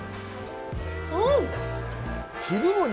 うん！